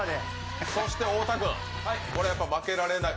太田君これは負けられない。